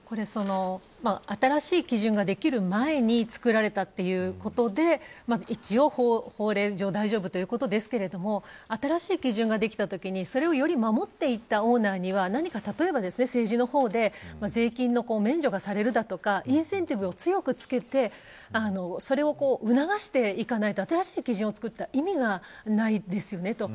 新しい基準ができる前に造られたということで一応、法令上大丈夫ということですけれども新しい基準ができたときにそれをより守っていったオーナーには何か政治の方で税金の免除がされるだとかインセンティブを強くつけてそれを促していかないと新しい基準を作った意味がないですよね。